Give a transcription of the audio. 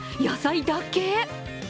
野菜だけ？